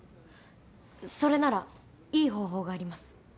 それならいい方法があります。